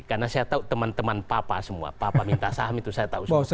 karena saya tahu teman teman papa semua papa minta saham itu saya tahu semua